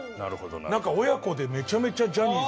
なんか親子でめちゃめちゃジャニーズ。